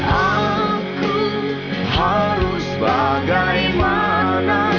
aku harus bagaimana